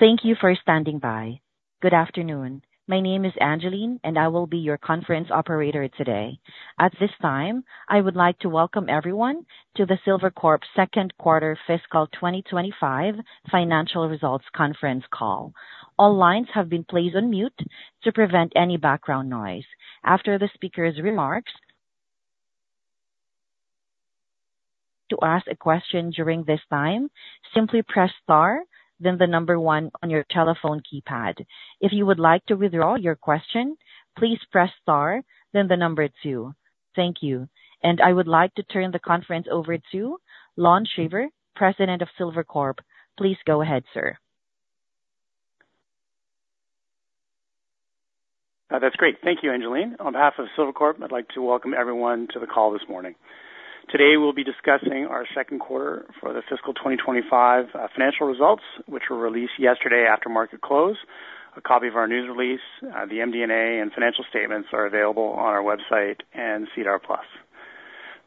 Thank you for standing by. Good afternoon. My name is Angeline, and I will be your conference operator today. At this time, I would like to welcome everyone to the Silvercorp Second Quarter Fiscal 2025 Financial Results Conference Call. All lines have been placed on mute to prevent any background noise. After the speaker's remarks, to ask a question during this time, simply press star, then the number one on your telephone keypad. If you would like to withdraw your question, please press star, then the number two. Thank you. And I would like to turn the conference over to Lon Shaver, President of Silvercorp. Please go ahead, sir. That's great. Thank you, Angeline. On behalf of Silvercorp, I'd like to welcome everyone to the call this morning. Today, we'll be discussing our second quarter for the fiscal 2025 financial results, which were released yesterday after market close. A copy of our news release, the MD&A and financial statements are available on our website and SEDAR+.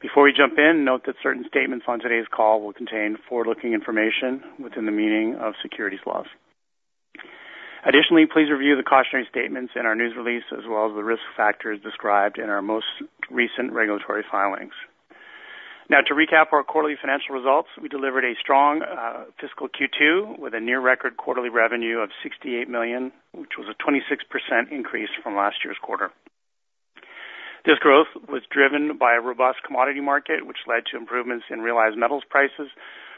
Before we jump in, note that certain statements on today's call will contain forward-looking information within the meaning of securities laws. Additionally, please review the cautionary statements in our news release, as well as the risk factors described in our most recent regulatory filings. Now, to recap our quarterly financial results, we delivered a strong fiscal Q2 with a near-record quarterly revenue of $68 million, which was a 26% increase from last year's quarter. This growth was driven by a robust commodity market, which led to improvements in realized metals prices,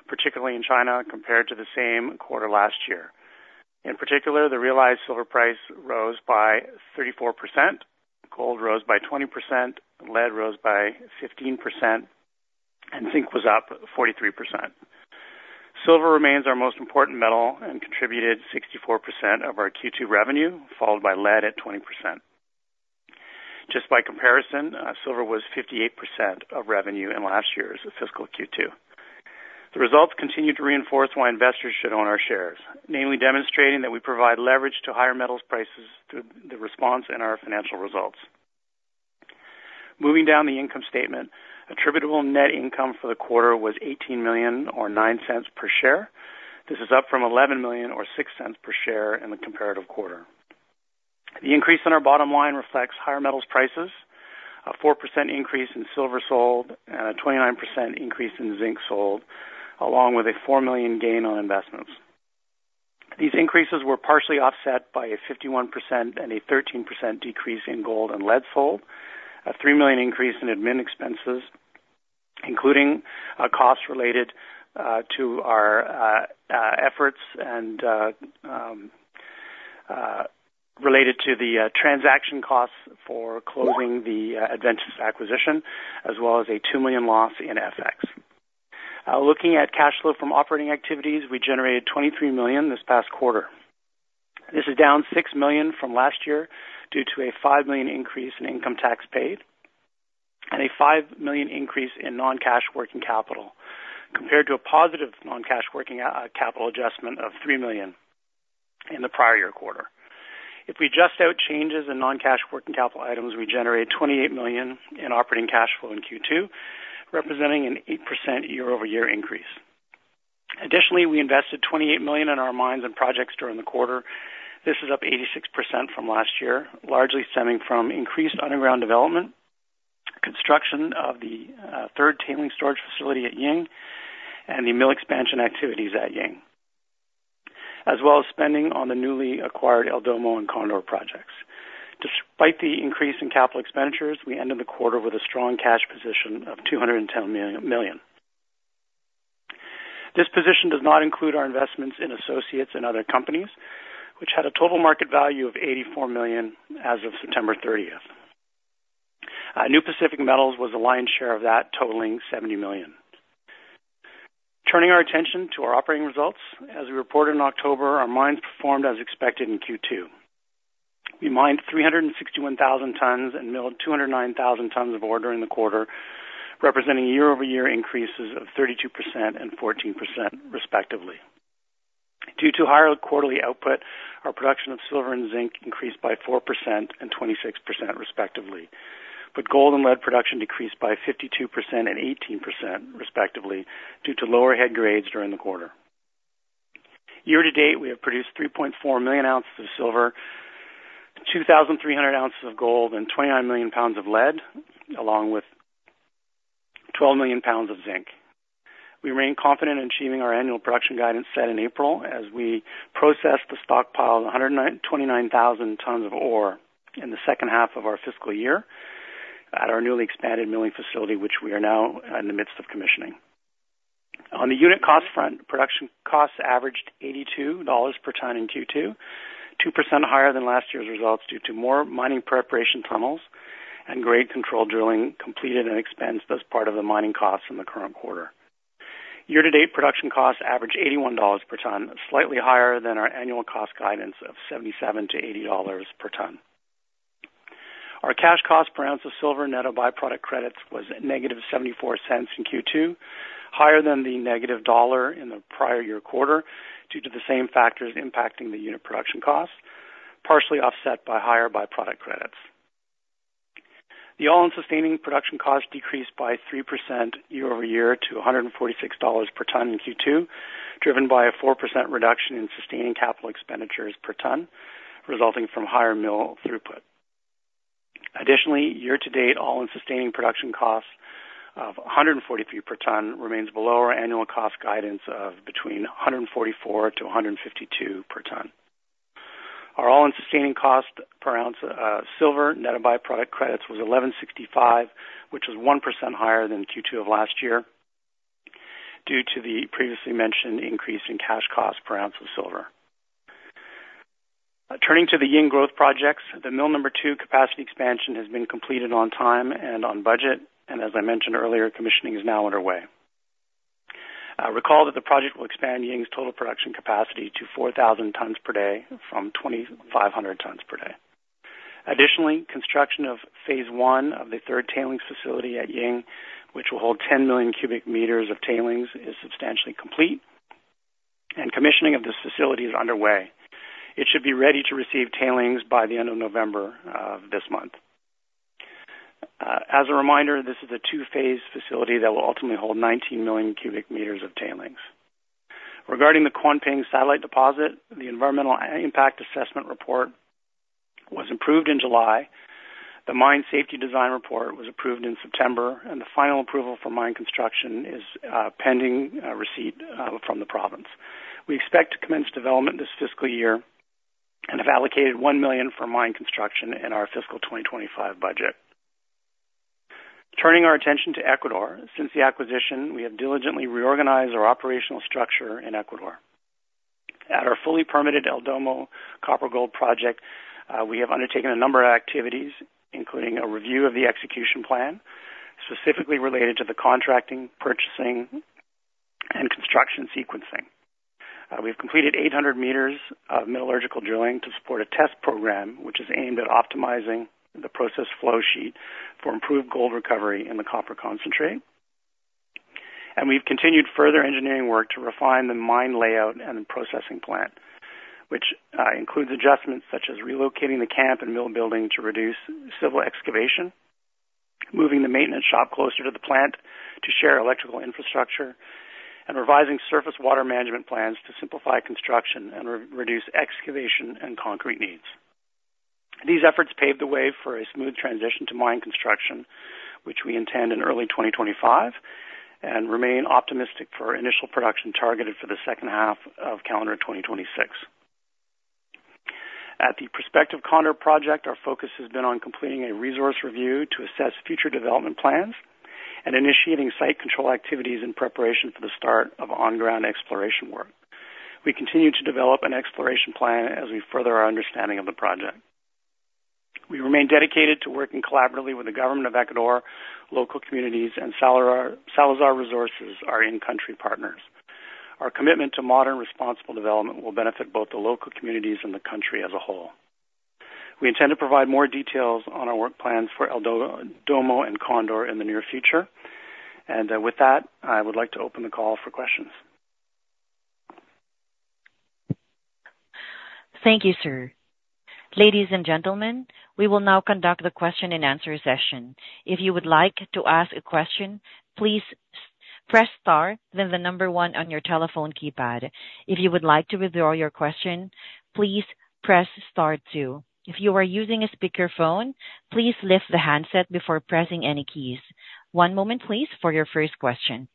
particularly in China, compared to the same quarter last year. In particular, the realized silver price rose by 34%, gold rose by 20%, lead rose by 15%, and zinc was up 43%. Silver remains our most important metal and contributed 64% of our Q2 revenue, followed by lead at 20%. Just by comparison, silver was 58% of revenue in last year's fiscal Q2. The results continue to reinforce why investors should own our shares, namely demonstrating that we provide leverage to higher metals prices through the response in our financial results. Moving down the income statement, attributable net income for the quarter was $18 million, or $0.09 per share. This is up from $11 million, or $0.06 per share, in the comparative quarter. The increase in our bottom line reflects higher metals prices, a 4% increase in silver sold, and a 29% increase in zinc sold, along with a $4 million gain on investments. These increases were partially offset by a 51% and a 13% decrease in gold and lead sold, a $3 million increase in admin expenses, including costs related to our efforts and related to the transaction costs for closing the Adventus acquisition, as well as a $2 million loss in FX. Looking at cash flow from operating activities, we generated $23 million this past quarter. This is down $6 million from last year due to a $5 million increase in income tax paid and a $5 million increase in non-cash working capital, compared to a positive non-cash working capital adjustment of $3 million in the prior year quarter. If we back out changes in non-cash working capital items, we generate $28 million in operating cash flow in Q2, representing an 8% year-over-year increase. Additionally, we invested $28 million in our mines and projects during the quarter. This is up 86% from last year, largely stemming from increased underground development, construction of the third tailings storage facility at Ying, and the mill expansion activities at Ying, as well as spending on the newly acquired El Domo and Condor projects. Despite the increase in capital expenditures, we ended the quarter with a strong cash position of $210 million. This position does not include our investments in associates and other companies, which had a total market value of $84 million as of September 30th. New Pacific Metals was the lion's share of that, totaling $70 million. Turning our attention to our operating results, as we reported in October, our mines performed as expected in Q2. We mined 361,000 tons and milled 209,000 tons of ore during the quarter, representing year-over-year increases of 32% and 14%, respectively. Due to higher quarterly output, our production of silver and zinc increased by 4% and 26%, respectively, but gold and lead production decreased by 52% and 18%, respectively, due to lower head grades during the quarter. Year-to-date, we have produced 3.4 million ounces of silver, 2,300 ounces of gold, and 29 million pounds of lead, along with 12 million pounds of zinc. We remain confident in achieving our annual production guidance set in April as we process the stockpile of 129,000 tons of ore in the second half of our fiscal year at our newly expanded milling facility, which we are now in the midst of commissioning. On the unit cost front, production costs averaged $82 per ton in Q2, 2% higher than last year's results due to more mining preparation tunnels and grade control drilling completed and expensed as part of the mining costs in the current quarter. Year-to-date production costs averaged $81 per ton, slightly higher than our annual cost guidance of $77-$80 per ton. Our cash cost per ounce of silver net of byproduct credits was negative $0.74 in Q2, higher than the negative $1 in the prior year quarter due to the same factors impacting the unit production costs, partially offset by higher byproduct credits. The all-in sustaining production costs decreased by 3% year-over-year to $146 per ton in Q2, driven by a 4% reduction in sustaining capital expenditures per ton, resulting from higher mill throughput. Additionally, year-to-date all-in sustaining production costs of $143 per ton remain below our annual cost guidance of between $144-$152 per ton. Our all-in sustaining cost per ounce of silver net of byproduct credits was $11.65, which was 1% higher than Q2 of last year due to the previously mentioned increase in cash cost per ounce of silver. Turning to the Ying growth projects, the mill number two capacity expansion has been completed on time and on budget, and as I mentioned earlier, commissioning is now underway. Recall that the project will expand Ying's total production capacity to 4,000 tons per day from 2,500 tons per day. Additionally, construction of phase one of the third tailings facility at Ying, which will hold 10 million cubic meters of tailings, is substantially complete, and commissioning of this facility is underway. It should be ready to receive tailings by the end of November of this month. As a reminder, this is a two-phase facility that will ultimately hold 19 million cubic meters of tailings. Regarding the Kuanping satellite deposit, the environmental impact assessment report was approved in July. The mine safety design report was approved in September, and the final approval for mine construction is pending receipt from the province. We expect to commence development this fiscal year and have allocated $1 million for mine construction in our fiscal 2025 budget. Turning our attention to Ecuador, since the acquisition, we have diligently reorganized our operational structure in Ecuador. At our fully permitted El Domo copper-gold project, we have undertaken a number of activities, including a review of the execution plan specifically related to the contracting, purchasing, and construction sequencing. We have completed 800 meters of metallurgical drilling to support a test program, which is aimed at optimizing the process flow sheet for improved gold recovery in the copper concentrate, and we've continued further engineering work to refine the mine layout and processing plant, which includes adjustments such as relocating the camp and mill building to reduce civil excavation, moving the maintenance shop closer to the plant to share electrical infrastructure, and revising surface water management plans to simplify construction and reduce excavation and concrete needs. These efforts paved the way for a smooth transition to mine construction, which we intend in early 2025, and remain optimistic for initial production targeted for the second half of calendar 2026. At the prospective Condor project, our focus has been on completing a resource review to assess future development plans and initiating site control activities in preparation for the start of on-ground exploration work. We continue to develop an exploration plan as we further our understanding of the project. We remain dedicated to working collaboratively with the government of Ecuador, local communities, and Salazar Resources, our in-country partners. Our commitment to modern, responsible development will benefit both the local communities and the country as a whole. We intend to provide more details on our work plans for El Domo and Condor in the near future, and with that, I would like to open the call for questions. Thank you, sir. Ladies and gentlemen, we will now conduct the question and answer session. If you would like to ask a question, please press star, then the number one on your telephone keypad. If you would like to withdraw your question, please press star two. If you are using a speakerphone, please lift the handset before pressing any keys. One moment, please, for your first question.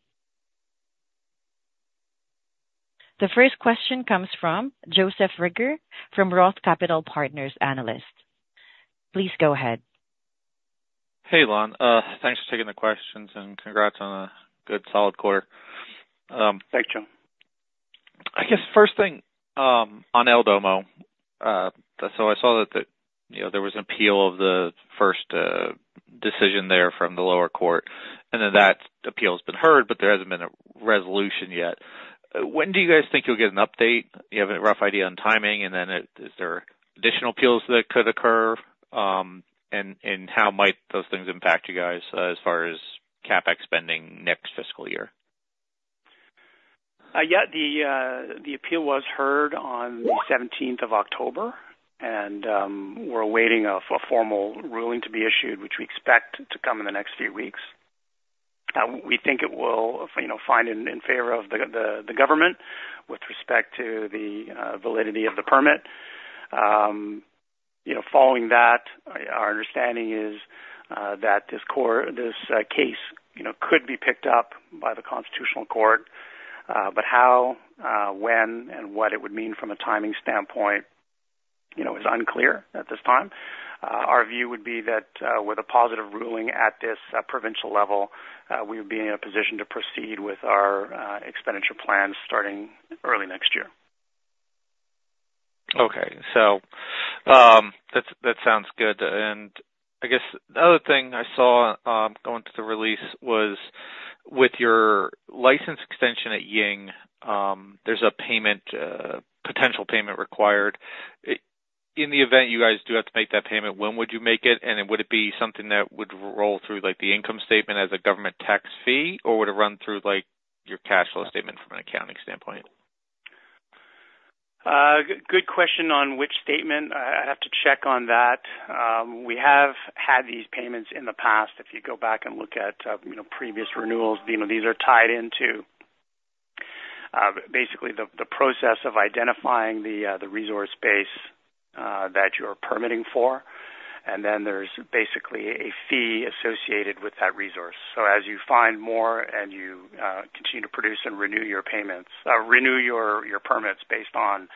The first question comes from Joseph Reagor from Roth Capital Partners Analyst. Please go ahead. Hey, Lon. Thanks for taking the questions, and congrats on a good, solid quarter. Thank you. I guess first thing on El Domo, so I saw that there was an appeal of the first decision there from the lower court, and then that appeal has been heard, but there hasn't been a resolution yet. When do you guys think you'll get an update? Do you have a rough idea on timing, and then is there additional appeals that could occur, and how might those things impact you guys as far as CapEx spending next fiscal year? Yeah, the appeal was heard on the 17th of October, and we're awaiting a formal ruling to be issued, which we expect to come in the next few weeks. We think it will find in favor of the government with respect to the validity of the permit. Following that, our understanding is that this case could be picked up by the Constitutional Court, but how, when, and what it would mean from a timing standpoint is unclear at this time. Our view would be that with a positive ruling at this provincial level, we would be in a position to proceed with our expenditure plans starting early next year. Okay. So that sounds good. And I guess the other thing I saw going to the release was with your license extension at Ying, there's a potential payment required. In the event you guys do have to make that payment, when would you make it, and would it be something that would roll through the income statement as a government tax fee, or would it run through your cash flow statement from an accounting standpoint? Good question on which statement. I have to check on that. We have had these payments in the past. If you go back and look at previous renewals, these are tied into basically the process of identifying the resource base that you're permitting for, and then there's basically a fee associated with that resource. So as you find more and you continue to produce and renew your permits based on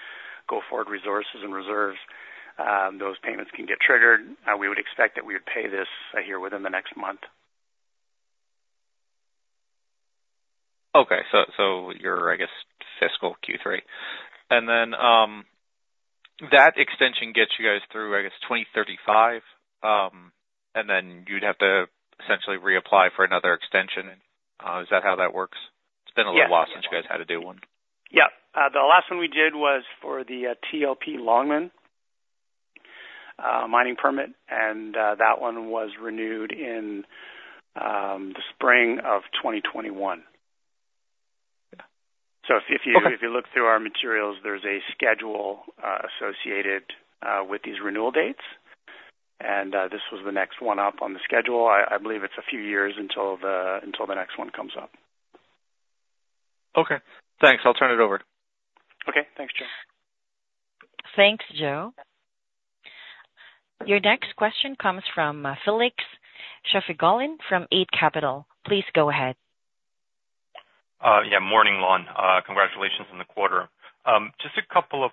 go-forward resources and reserves, those payments can get triggered. We would expect that we would pay this here within the next month. Okay. So you're, I guess, fiscal Q3. And then that extension gets you guys through, I guess, 2035, and then you'd have to essentially reapply for another extension. Is that how that works? It's been a little while since you guys had to do one. Yeah. The last one we did was for the TLP Longmen mining permit, and that one was renewed in the spring of 2021. So if you look through our materials, there's a schedule associated with these renewal dates, and this was the next one up on the schedule. I believe it's a few years until the next one comes up. Okay. Thanks. I'll turn it over. Okay. Thanks, Joe. Thanks, Joe. Your next question comes from Felix Shafigullin from Eight Capital. Please go ahead. Yeah. Morning, Lon. Congratulations on the quarter. Just a couple of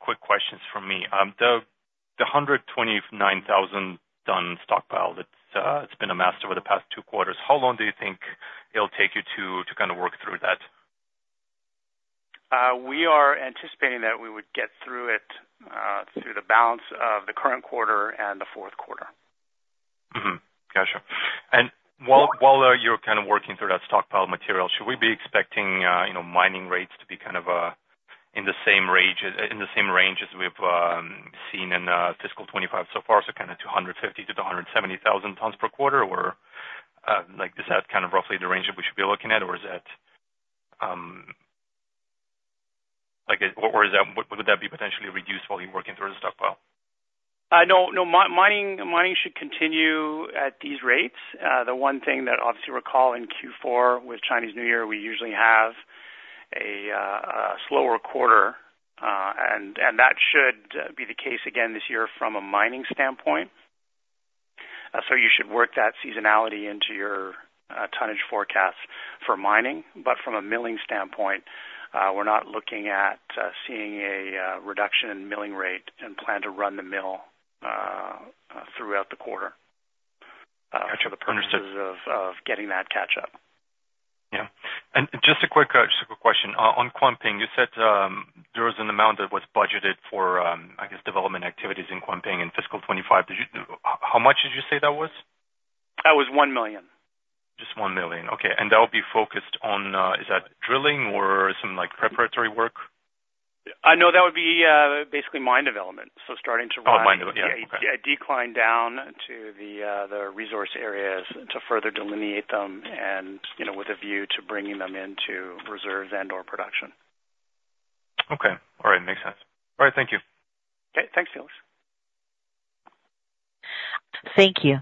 quick questions from me. The 129,000-ton stockpile that's been amassed over the past two quarters, how long do you think it'll take you to kind of work through that? We are anticipating that we would get through it, through the balance of the current quarter and the fourth quarter. Gotcha. And while you're kind of working through that stockpile material, should we be expecting mining rates to be kind of in the same range as we've seen in fiscal 2025 so far, so kind of 250-270 thousand tons per quarter, or is that kind of roughly the range that we should be looking at, or is that, what would that be potentially reduced while you're working through the stockpile? No. Mining should continue at these rates. The one thing that, obviously, recall in Q4 with Chinese New Year, we usually have a slower quarter, and that should be the case again this year from a mining standpoint. So you should work that seasonality into your tonnage forecast for mining. But from a milling standpoint, we're not looking at seeing a reduction in milling rate and plan to run the mill throughout the quarter in terms of getting that catch-up. Yeah, and just a quick question. On Kuanping, you said there was an amount that was budgeted for, I guess, development activities in Kuanping in fiscal 2025. How much did you say that was? That was one million. Just $1 million. Okay. And that would be focused on, is that drilling or some preparatory work? No, that would be basically mine development, so starting to run. Oh, mine development. Yeah. A decline down to the resource areas to further delineate them and with a view to bringing them into reserves and/or production. Okay. All right. Makes sense. All right. Thank you. Okay. Thanks, Felix. Thank you.